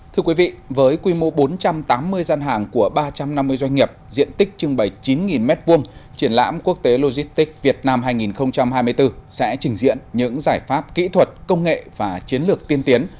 thưa quý vị với quy mô bốn trăm tám mươi gian hàng của ba trăm năm mươi doanh nghiệp diện tích trưng bày chín m hai triển lãm quốc tế logistics việt nam hai nghìn hai mươi bốn sẽ trình diện những giải pháp kỹ thuật công nghệ và chiến lược tiên tiến